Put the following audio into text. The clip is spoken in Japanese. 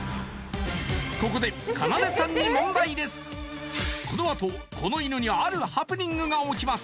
ここでこのあとこの犬にあるハプニングが起きます